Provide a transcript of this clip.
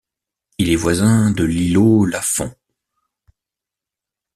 Il est voisin de l'îlot Lafond.